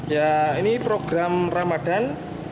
ya ini program ramadan